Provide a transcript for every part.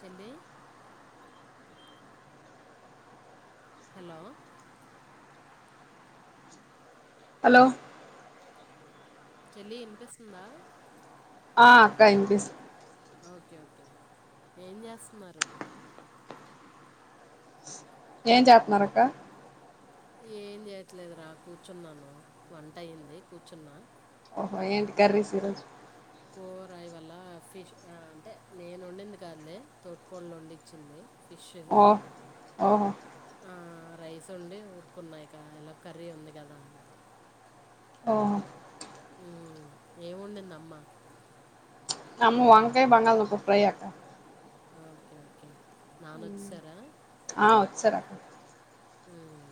చెల్లి hello hello చెల్లి వినిపిస్తుందా ఆ అక్క వినిపిస్ ఓకే ఓకే ఏం చేస్తున్నారు ఏం చేతనారు అక్క ఏం చేయట్లేదురా కూర్చున్నాను వంట అయ్యింది కూర్చున్నా ఓహో ఏంటి కర్రీస్ ఈ రోజు కూర ఇవాళ ఫిష్ అంటే నేను వండింది కాదులే తోటికోడలు వండించింది పిష్ ఓ ఓహో ఆ రైస్ వండి ఊరుకున్నా ఇక ఇలా కర్రీ ఉంది కదా అని ఓహో ఉమ్ ఏం వండింది అమ్మా కమ్ము వంకాయ బంగాల్దుంప ఫ్రై అక్క ఆ ఓకే ఓకే నాన్న వచ్చేసారా ఆ వచ్చారు అక్క ఉమ్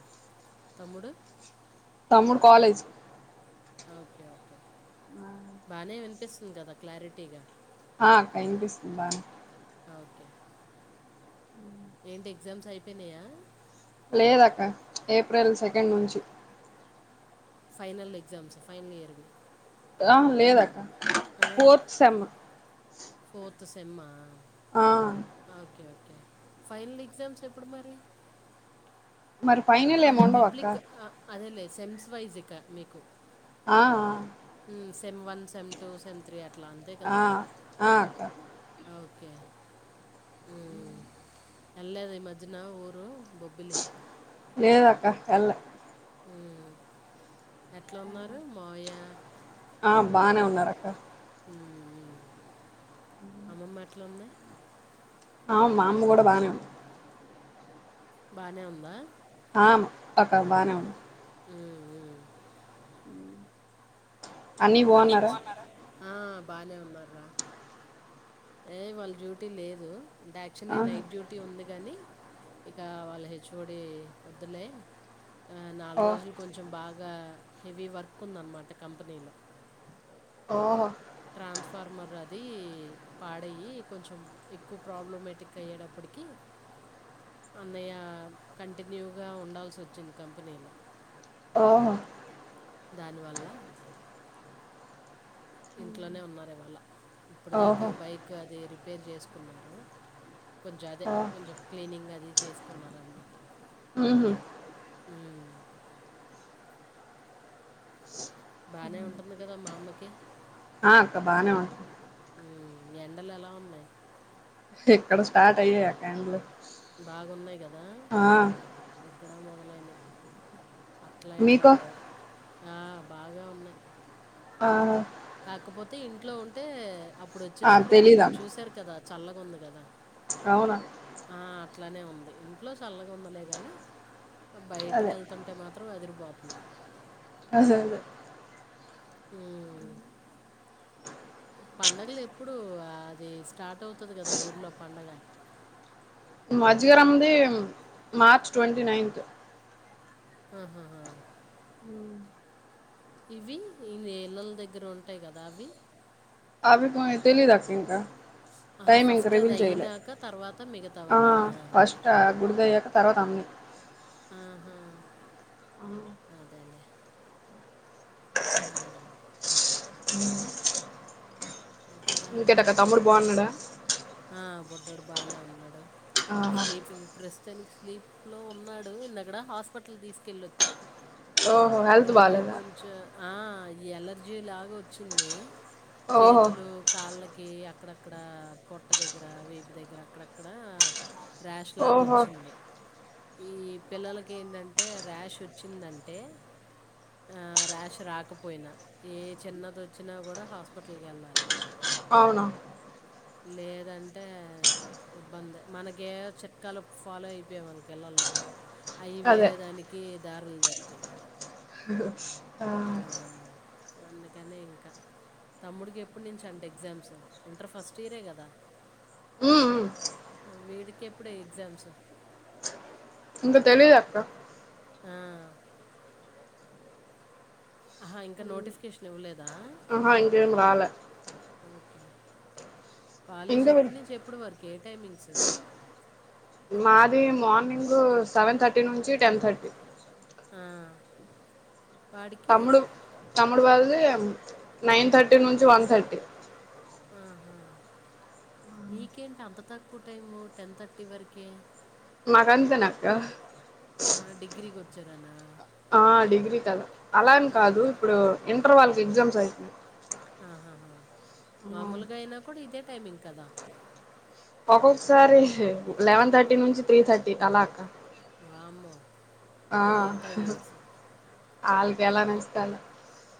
తమ్ముడు తమ్ముడు కాలేజ్ ఓకే ఓకే బానే వినిపిస్తుంది కదా క్లారిటీగా ఆ అక్క వినిపిస్తుంది బానే ఓకే ఏంటి ఎగ్జామ్స్ అయిపోయినాయా లేదక్క ఏప్రిల్ సెకండ్ నుంచి ఫైనల్ ఎగ్జామ్స్ ఫైనల్ ఇయర్ వి ఆ లేదక్క ఫోర్త్ సెమ్ త్ సెమ్ ఆ ఆ ఫైనల్ ఎగ్జామ్స్ ఎప్పుడు మరి మరి ఫైనల్ ఏమి అంటే ఉండవు అక్క పబ్లిక్ అదేలే సెమ్స్ వైజ్ ఇకా మీకు ఆ ఆ sem one sem two sem three అ ఆ అక్క ఓకే ఉ ఎలాది ఈ మజ్నా ఊరు బొబ్బిలి లేద అక్క వెళ్ళ ఉ ఎట్లా ఉన్నారు మాయ ఆ బానే ఉన్నారు అక్క ఉ అమ్మమ్మ అట్లా ఉంది అవు మా అమ్మ కూడా బానేం బానే ఉందా ఆ ఒక బానే ఉంది మ్మ్, మ్మ్. అన్నీ అని బాగున్నారా బా ఆ బానే ఉన్న రా ఏ వాళ్ళ డ్యూటీ లేదుంటే యాక్చువల్లీ ఆహా నైట్ డ్యూటీ ఉంది గనీ ఇహా వాళ్ళ హెచ్ుఓడి వదులే ఆ ఓ నాలుగు రోజులు కొంచెం బా గా హెవీ వర్క్ ఉందన్నమాట కంపెనీలో ఓహో ట్రాన్స్ఫార్మర్ అది పాడ్య కొంచెం ఎక్కువ ప్రాబ్లమటిక్ అయ్యేటప్పుడుకి కి అన్నయ్య కంటిన్యూగా ఉండాల్సి వచ్చింది కంపెనీలో ఓహో దానివల్ల ఇంట్లోనే ఉన్నారు ఇవాళ ఇప్పుడు దాకా ఓహో బైక్ అది రిపేర్ చేసుకున్నారు కొంచెం అదే ఓ కొంచెం క్లీనింగ్ అది చేసుకున్నారనమాట ఊహు ఉ బానే ఉంటుంది కదా మా అమ్మకి ఆ అక్క బానే ఉంటు ఉ ఎండలు ఎలా ఉన్నాయి ఎక్కడ స్టార్ట్ అయ్యాయి అకాండ్లు బాగున్నాయి కదా ఎక్కడా మొదలైనాయి అట్లా ఇట్లా మీకో లేవు ఆ బాగా ఉన్నాయి ఆహా కాకపోతే ఇంట్లో ఉంటే అప్పుడు ఆ వచ్చినప్పుడు మీరు తెలీదా చూశారు కదా చల్లగా ఉంది కదా అవునా ఆ, అట్లానే ఉంది ఇంట్లో చల్లగా ఉండలే కానీ బయటికి అదే వెళ్తుంటే మాత్రం అది పోతుంది అసలు ఉ పండుగలు ఎప్పుడు అది స్టార్ట్ అవుతుంది కదా ఊర్లో పండగ మజగరది మార్చ్ ట్వంటీ నైన్త్ ఆహాా ఇవి ఈేళ్లల దగ్గర ఉంటాయి కదా అవి అభకు తెలిదా ఇకా ఆహ ఫస్ట్ అది అయయినాక తర్వాత ఆ మిగతావన్నా? ఫస్ట్ ఆ గుడిద అయ్యాక తర్వాత అంనీ ఆహా అదేలేే ఎట్లా ఇంకేంటక్కా మీ తమ్ముడు బాగున్నాడా ఆ బొడ్డాడు బానే ఉన్నాడు ఆహా స్లీపింగ్ ప్రెస్ తనినికి స్లీప్ లో ఉన్నాడు ఇంతక్కడ హాస్పిటల్ తీసుకెళ్ళ వచ్చా ఓహో హెల్త్ ఏ బాలేదా కొంచెం ఆ ఈ ఎలర్జీ లాగ వచ్చింది ఓహో చేతులు కాళ్ళకి అక్కడక్కడ పొట్ట దగ్గర వీపు దగ్గర అక్కడక్కడ ర్యాష్ లాగా ఓహో వచ్చింది ఈ పిల్లలకి ఏంటంటే ర్యాష్ వచ్చిందంటే ఆ ర్యాష్ రాకపోయినా ఏ చిన్నది వచ్చినా కూడా హాస్పిటల్ కి వెళ్ళాలి అవునా లేదంటే ఇబ్బంది మనక ఏవో చిట్కాలు ఫాలో అయిపోయామ్ మన ఇల్లల్లో అయి అదే వేరే దానికి దారులు దర హ హ్మ్ ఆ అందుకనే ఇంకా తమ్ముడికి ఎప్పుడు నుంచ అండి ఎగ్జామ్స్ ఇంటర్ ఫస్ట్ ఇయరే కదా ఉమ్ వీడికి ఎప్పుడో ఎగ్జామ్స్ ఇంకా తెలిదు అక్క ఉమ్ ఆహా ఇంకా నోటిఫికేషన్ ఇవ్వలేదా ఆహా ఇంకేంరాల ఓకే కాలేజ్ విన్- ఎప్పుట్నుంచి ఎప్పుడు వరకి ఏ టైమింగ్స్ మాది మార్నింగు సెవెన్ థర్టీ నుంచి టెన్ థర్టీ ఆ వాడికి తమ్ముడు తమ్ముడు వాళ్లది నైన్ థర్టీ నుంచి వన్ థర్టీ ఆహా నీకేంటి అంత తక్కువ టైము టెన్ థర్టీ వరకే నాకంతెనక్కా ఆ డిగ్రీకి వచ్చారనా ఆ డిగ్రీ కదా అలాని ఆ, కాదు ఇప్పుడు ఇంటర్ వాళ్ళకి ఎగ్జామ్స్ అయితుంది ఆహాహా మామూలుగా అయినా కూడా ఇదే టైమింగ్ కదా ఒక్కొక్కసారి లెవెన్ థర్టీ నుంచి త్రీ థర్టీ అలా అక్క వామ్మో ఇవేం టైమింగ్స్ వాళ్ళకి ఎలా నస్తాయి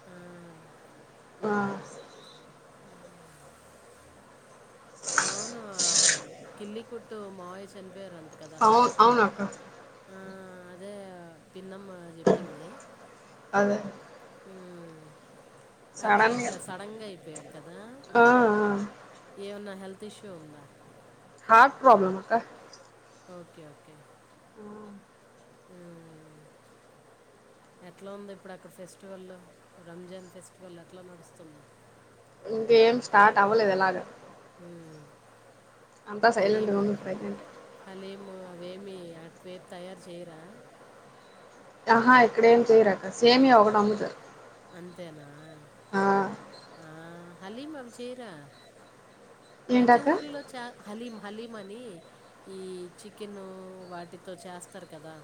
ఆ ఆ అవును కిల్లి కుట్టు మావయ చనిపోయారు అంట అవు అవునక్క అదే పిన్నమ్మ చెప్పింది అదే ఉమ్ అట్ల సడన్గా అట్లా సడన్ గా అయిపోయాడు కదా ఆ ఆ ఏమన్నా హెల్త్ ప్రతి షో ఉందా హార్ట్ ప్రాబ్లమ్ అక్క ఓకే ఓకే ఊమ్ ఎట్లా ఉంది ఇప్పుడు అక్కడ ఫెస్టివల్ల్లో రంజాన్ ఫెస్టివల్ ఎట్లా నడుస్తుంది ఇంకేం స్టార్ట్ అవ్వలేద ఇవాళ ఉమ్, అంతా సైలెంట్ హలీం రూమ్ ప్రెసెంట్ నువేమి అట్ వైపు తయారు చేయరా ఆహా ఇక్కడ ఏం చేయరక్క సేమియా ఒకటి అమ్ముతారు అంతేనా ఆ హలీమా వి చేయరా ప్రతి ఏంటక్క ఊర్లో చా హలీమా హలీమనీ ఈ చికెను వాటితో చేస్తారు కదా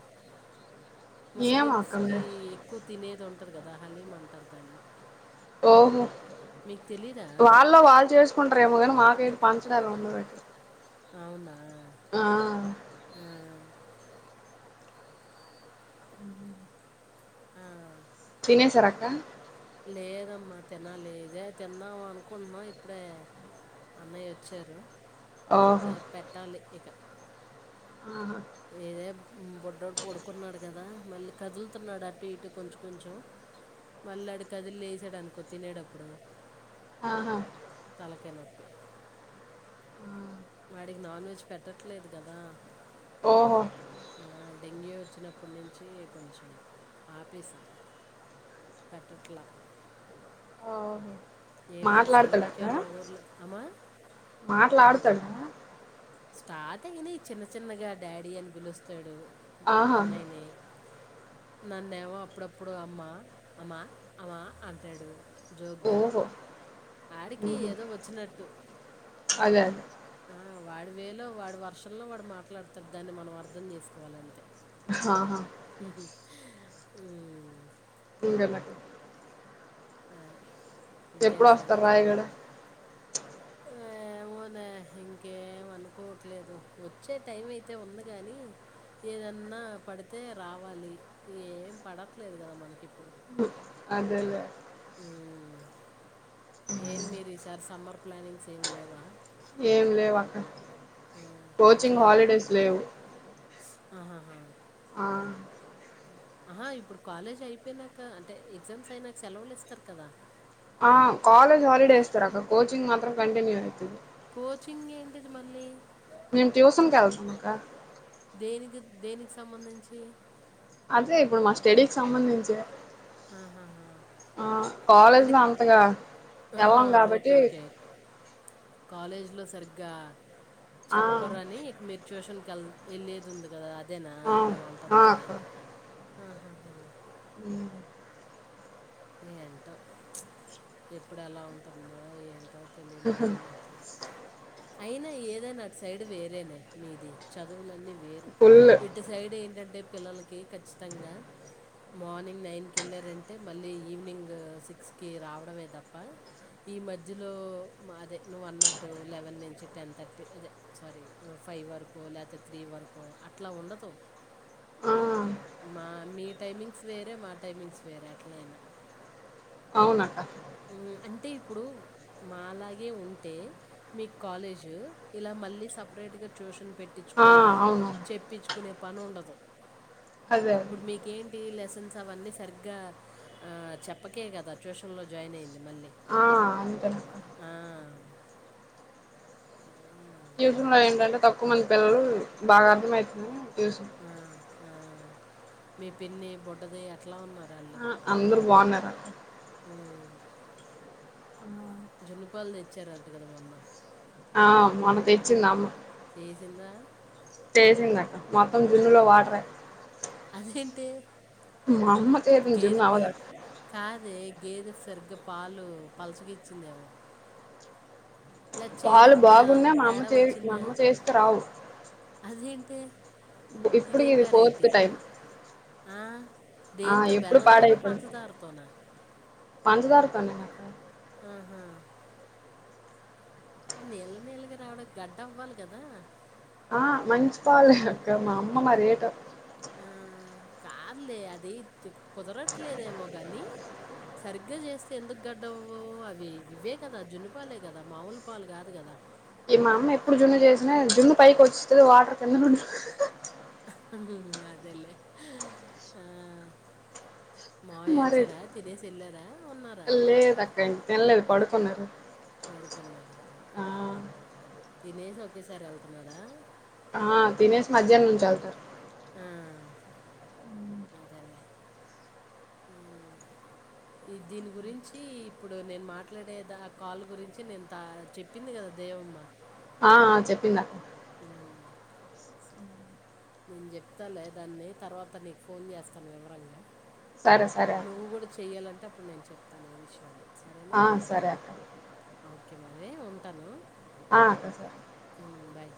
ఏమో అక్క ముస్లిమ్స్కి మరి ఎక్కువ తినేది ఉంటంది కదా హలీం అంటారు దాన్ని ఓహో మీకు తెలీదా వాళ్ళ వాళ్ళు చేసుకుంటారు ఏమో కాని వా పంచేధి ఉండదండి అవునా ఆ ఆ, అ ఉమ్ థినేసర్ అక్క లేదమ్మా తినాలిదే తిన్నాము అనుకుంటున్నాం ఇప్పుడే అన్నయ్య వచ్చారు ఓహో పెట్టాలి ఇక ఆహా ఏదే బొడ్డడు పడుకున్నాడు కదా మళ్ళీ కదులుతున్నాడు అటు ఇటు కొంచెం కొంచెం మళ్ళీ అడు కదిలిసాడు అనుకో తినేడప్పుడు ఆహా తలకైనప్పు ఆ వాడికి నాన్ వెజ్ పెట్టట్లేదు కదా ఓహో ఆ, డెంగ్యూ వచ్చినప్పటి నుంచి కొంచెం ఆపేసాం పెట్టట్లా ఓ ఏన్ మారి సెలవులికే నా ఊర్ల అమా [inaudible] స్టార్టింగ్ని చిన్న చిన్నగా డాడీ అని పిలుస్తాడు ఆహా అన్నయ్యని నన్నేమో అప్పుడప్పుడు అమ్మా అమ్మా అమ్మా అంటాడు జోగ్గా ఓహో ఆడికి ఉహు ఏదో వచ్చినట్టు అదే అదే ఆ, వాడి వేలో వాడి వర్షంలో వాడు మాట్లాడుతడు దాన్ని మనం అర్థం చేసుకోవాలింత హాహా ఇర నాకు ఆ ఎప్పుడు ఇంకేంటి వస్తారు రాయగడ ఎమ్ [unintelligible] ఇంకేం అనుకోవట్లేదు వచ్చే టైం అయితే ఉంది గాని ఏదన్నా పడితే రావాలి ఏం పడట్లేదు కదా మనకి ఇప్పుడు అదేలె ఊ ఏం మీరు ఈ సారి సమ్మర్ ప్లానింగ్స్ ఏమ్ లేవా ఏం లేవ్ అక్క ఆ, కోచింగ్ హాలిడేస్ లేవు ఆహహా ఆ అహా ఇప్పుడు కాలేజ్ అయిపోయినకా అంటే ఎగ్జామ్స్ అయినాక సెలవులు ఇస్తరు కదా ఆ కాలేజ్ హాలిడే ఇస్తరు అక కోచింగ్ మాత్రం కంటిన్యూ అయితది కోచింగ్ ఏంటిది మళ్ళీ మేమ్ ట్యూసన్ కెల్తమకా దేనిగి దేనికి సంబంధించి అదే ఇప్పుడు మా స్టెడీకి సంబందించే ఆహహా ఆ కాలేజ్ లో అంతగా ఎల్లం గాబట్టీ కాలేజ్ ట్లో సరిగ్గా ఆ చెప్పరని ఇక మీర్ చ్యూషన్ కెల్ ఎల్లేదుంది గదా అ దెనా ఆ నువ్వు ఆ అంటంది అహహా ఉ ఏంటో ప్చ్ ఎప్పుడు ఎలా ఉంటుందో ఏంటో తేలీనే తెలియట్ల అయినా ఏదైన అటు సైడ్ వేరేనే మీది చదువులన్నీ వేరు ఫుల్ ఇటు సైడ్ ఏంటంటే పిల్లలకి ఖచ్చితంగా మార్నింగ్ నైన్ కి ఎళ్ళారంటే మళ్ళీ ఈవినింగూ సిక్స్కీ రావడవే దప్ప ఈ మధ్యలో మ అదే నువ్వన్నట్టు లెవెన్ నుంచి టెన్ థర్టీ అదే సారీ ఫై ఫైవ్ వరకో లేతే త్రీ వరకో అట్లా ఉండదు ఆ మా మీ టైమింగ్స్ వేరే మా టైమింగ్స్ వేరే ఎట్ల అయినా అవునక్క ఉ అంటే ఇప్పుడు మాలాగే ఉంటే మీకు కాలేజు ఇలా మళ్ళీ సపరేటుగ ట్యూషన్ పెట్టిచ్చు ఆ కొని అవునవును చెప్పిచ్చుకొనే పని ఉండదు అదే అదే పుడు మీకేం ఈ లెసన్స్ అవన్నీ సరిగ్గా ఆ చెప్పకే గదా ట్యూషన్ లో జాయిన్ అయింది మళ్ళీ ఆ అంతేనక్క ఆ ట్యూషన్ లో ఏంటంటే తక్కువ మంది పిల్లలు బాగా అర్థమయుతుంది అని ఏసేన్ ఆ! ఆ మీ పిన్ని బుడ్డది ఎట్లా ఉన్నారు ఆళ్లు అ అందరు బొన్నార్ అక్క జున్నుపాల్ దెచ్చారంట గదా మొన్న ఆ మొన్న తెచ్చిందమ్మ చేసిందా చేసిందక్క మొత్తం జున్నులో వాటరే అదేంటి? మా అమ్మ చేతిలో జున్ను గేదె పా అవ్వదక్క కాదే గేదె సరిగ్గా పాలు పల్చగ ఇచ్చిందేమో పాలు బాగున్నా మా అమ్మ తేడా చే మా వచ్చిందా అమ్మ చేస్తే రావు అదేంటి ఇప్పుడు ఇది ఫోర్త్ టైం ఆ ఆ దేంతొ ఎప్పుడు బెల్లంతోన పంచదారతోనా పంచదార తోనేనక్క ఆహా నీళ్ల నీళ్లగ రావడం గడ్డ అవ్వాలి గదా ఆ మంచి పాలే హక్క మా అమ్మ మరి ఏటో ఆ, కాదులే అది తుక్ కుదరట్లేదేమో గనీ సరిగ్గా జేస్తే ఎందుకు గడ్డ అవ్వవు అవ్వి ఇవ్వే గదా జున్నపాలే గదా మావుల్ పాలు గాదు గదా ఇ మా అమ్మ ఎప్పుడు జున్ను జేసినా జున్ను పైకి వచ్చుతుది వాటర్ కిందన ఉండి ఊ హు హు అదేలేే హ ఆ మాయా మారేది వచ్చాడా తినేసి వెళ్ళార ఉన్నారా ఉన్నారు పడుకున్నార తినేసి ఒకేసారి వెళ్తున్నాడా ఆ తినేష్ మధ్యాహ్న నుంచి వెళ్తారు ఆ అదేలేే ఊ ఈ దీని గురించి ఇప్పుడు నేను మాట్లాడేద ఆ కాల్ గురించి నేను త చెప్పింది కదా ఏవమ్మా ఆ చెప్పింది నాకు సరే. నేను చెప్తా లే దాన్ని తర్వాత నీకు ఫోన్ చేస్తాను వివరంగా సరే సరే అక్క నువ్వు గూడా చెయ్యాలంటే అప్పుడు నేను చెప్తాను ఏ విషయాన్ని సరేనా ఆ సరే అక్క ఓకే మరి ఉంటాను ఆ [inaudible] ఉమ్, బాయ్